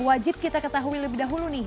wajib kita ketahui lebih dahulu nih